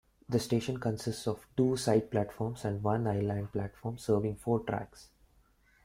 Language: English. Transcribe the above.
The station consists of two side platforms and one island platform serving four tracks.